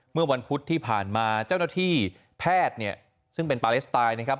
เมื่อวันพุธที่ผ่านมาเจ้าหน้าที่แพทย์เนี่ยซึ่งเป็นปาเลสไตล์นะครับ